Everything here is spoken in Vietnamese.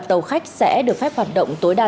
tàu khách sẽ được phép hoạt động tối đa